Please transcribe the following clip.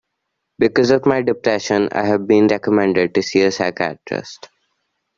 Because of my depression, I have been recommended to see a psychiatrist.